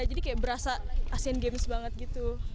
jadi kayak berasa asian games banget gitu